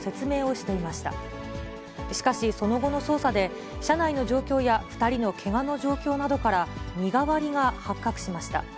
しかし、その後の捜査で車内の状況や、２人のけがの状況などから身代わりが発覚しました。